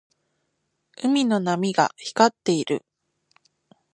海の波が光っている。